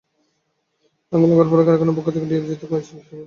আগুন লাগার পরপরই কারখানার পক্ষ থেকে ডিইপিজেডের ফায়ার সার্ভিসে খবর দেওয়া হয়।